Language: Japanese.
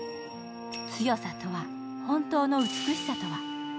強さとは、本当の美しさとは。